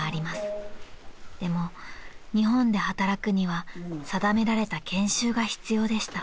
［でも日本で働くには定められた研修が必要でした］